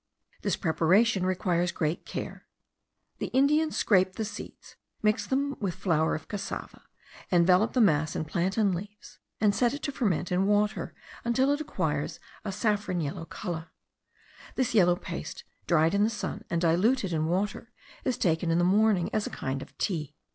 This preparation requires great care. The Indians scrape the seeds, mix them with flour of cassava, envelope the mass in plantain leaves, and set it to ferment in water, till it acquires a saffron yellow colour. This yellow paste dried in the sun, and diluted in water, is taken in the morning as a kind of tea.